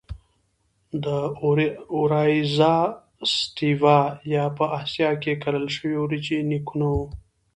د Oryza sativa یا په اسیا کې کرل شوې وریجې نیکونه وو.